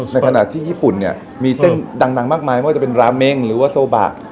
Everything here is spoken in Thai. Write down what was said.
ในขณะที่ญี่ปุ่นเนี่ยมีเส้นดังมากมายไม่ว่าจะเป็นราเมงหรือว่าโซบะ